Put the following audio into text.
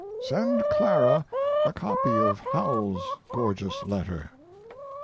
Send Clara a copy of Howells's gorgeous letter.